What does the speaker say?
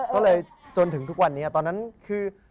ก็เลยจนถึงทุกวันเนี่ยก็คือ